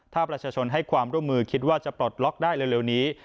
ถ้าประชาชนให้ความร่วมมือคิดว่าจะปลดล็อกได้เร็วนี้